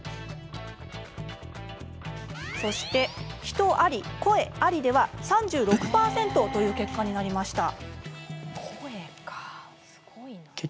そして、人あり、声ありでは３６％という結果になりました。